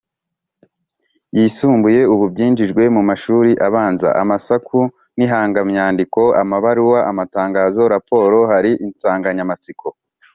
yisumbuye ubu byinjijwe mu mashuri abanza: amasaku n’ihangamyandiko (amabaruwa, amatangazo, raporo...). Hari insanganyamatsiko